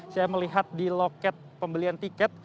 saya melihat di loket pembelian tiket